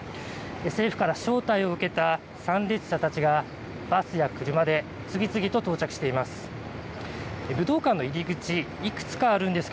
政府から招待を受けた参列者たちがバスや車で次々と到着しています。